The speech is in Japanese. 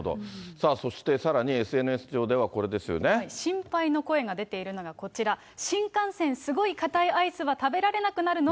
さあそして、さらにＳＮＳ上では心配の声が出ているのがこちら、新幹線すごいかたいアイスは食べられなくなるの？